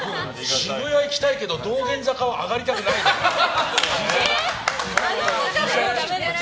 渋谷行きたいけど、道玄坂を上がりたくないじゃん。